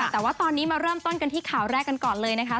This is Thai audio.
แต่ว่าตอนนี้มาเริ่มต้นกันที่ข่าวแรกกันก่อนเลยนะคะ